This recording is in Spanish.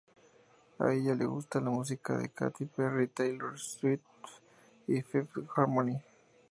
A ella le gusta la música de Katy Perry, Taylor Swift y Fifth Harmony.